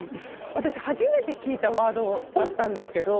私初めて聞いたワードだったんですけど。